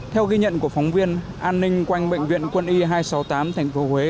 theo ghi nhận của phóng viên an ninh quanh bệnh viện quân y hai trăm sáu mươi tám tp huế